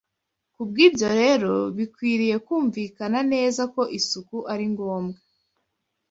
Kubw’ibyo rero, bikwiriye kumvikana neza ko isuku ari ngombwa,